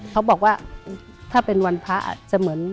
เขาบอกว่าถ้าเป็นวันพระจะเหมือน